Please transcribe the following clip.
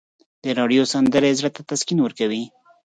د راډیو سندرې زړه ته تسکین ورکوي.